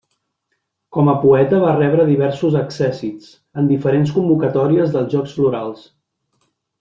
Com a poeta va rebre diversos accèssits en diferents convocatòries dels Jocs Florals.